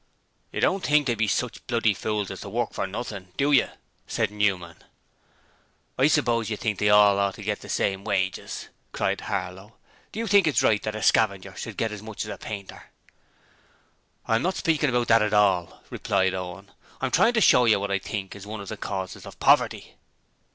'You don't think they'd be sich bloody fools as to work for nothing, do you?' said Newman. 'I suppose you think they ought all to get the same wages!' cried Harlow. 'Do you think it's right that a scavenger should get as much as a painter?' 'I'm not speaking about that at all,' replied Owen. 'I'm trying to show you what I think is one of the causes of poverty.'